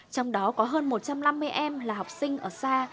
trong đó có hơn một trăm năm mươi em là học sinh ở xa